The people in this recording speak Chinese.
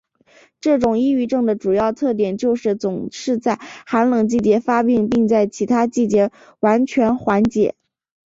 这种抑郁症的主要特点就是总是在寒冷季节发病并在其他季节完全缓解。